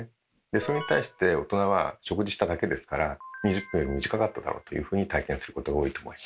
それに対して大人は食事しただけですから２０分よりも短かっただろうというふうに体験することが多いと思います。